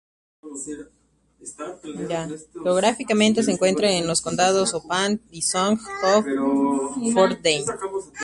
Geográficamente, se encuentra en los condados Oppland y Sogn og Fjordane.